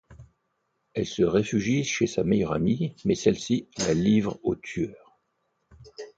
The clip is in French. Elle se réfugie chez sa meilleure amie mais celle-ci la livre au tueur.